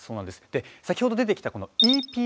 で、先ほど出てきたこのＥＰＧ。